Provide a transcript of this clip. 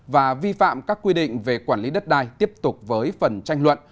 và vi phạm các quy định về quản lý đất đai tiếp tục với phần tranh luận